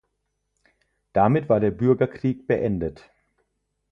Damit war der Bürgerkrieg beendet.